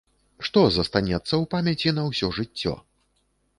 Што застанецца ў памяці на ўсё жыццё?